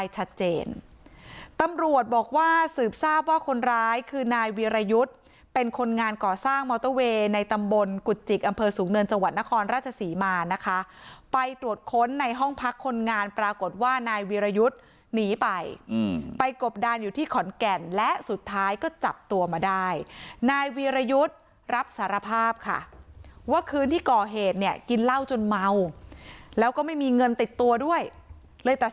ชัดเจนตำรวจบอกว่าสืบทราบว่าคนร้ายคือนายวีรยุทธ์เป็นคนงานก่อสร้างมอเตอร์เวย์ในตำบลกุจิกอำเภอสูงเนินจังหวัดนครราชศรีมานะคะไปตรวจค้นในห้องพักคนงานปรากฏว่านายวีรยุทธ์หนีไปไปกบดานอยู่ที่ขอนแก่นและสุดท้ายก็จับตัวมาได้นายวีรยุทธ์รับสารภาพค่ะว่าคืนที่ก่อเหตุเนี่ยกินเหล้าจนเมาแล้วก็ไม่มีเงินติดตัวด้วยเลยตัด